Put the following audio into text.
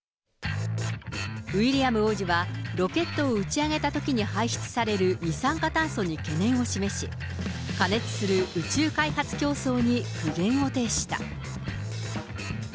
ウィリアム王子はロケットを打ち上げたときに排出される二酸化炭素に懸念を示し、過熱する宇宙開発競争に苦言を呈した。